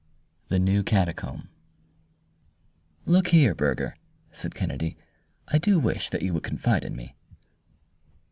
The New Catacomb "Look here, Burger," said Kennedy, "I do wish that you would confide in me."